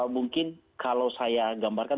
mungkin kalau saya gambarkan